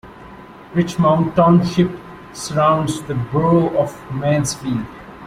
Richmond Township surrounds the borough of Mansfield.